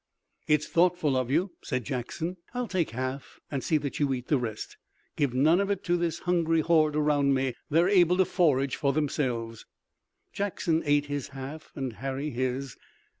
"It's thoughtful of you," said Jackson. "I'll take half and see that you eat the rest. Give none of it to this hungry horde around me. They're able to forage for themselves." Jackson ate his half and Harry his.